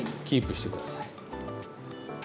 キープして下さい。